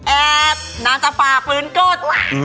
แอบนางจะฝ่าฟื้นกส